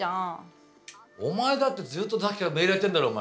お前だってずっとさっきからメールやってんだろお前。